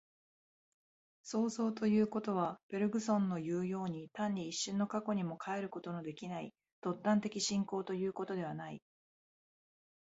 創造ということは、ベルグソンのいうように、単に一瞬の過去にも還ることのできない尖端的進行ということではない。